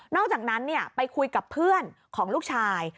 อกจากนั้นไปคุยกับเพื่อนของลูกชาย